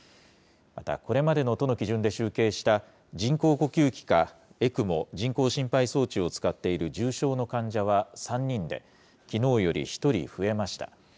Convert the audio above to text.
また、これまでの都の基準で集計した人工呼吸器か、ＥＣＭＯ・人工心肺装置を使っている重症の患者は３人で、きのうより１人増えました。